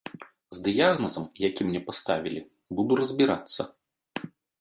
З дыягназам, які мне паставілі, буду разбірацца.